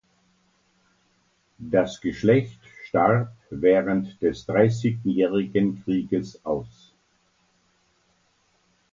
Das Geschlecht starb während des Dreißigjährigen Krieges aus.